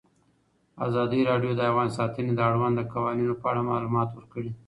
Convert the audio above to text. ازادي راډیو د حیوان ساتنه د اړونده قوانینو په اړه معلومات ورکړي.